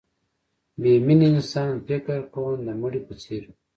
بې مینې انسان فکر کوم د مړي په څېر وي